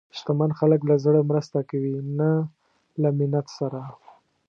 شتمن خلک له زړه مرسته کوي، نه له منت سره.